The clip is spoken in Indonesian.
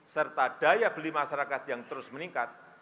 serta daya beli masyarakat yang terus meningkat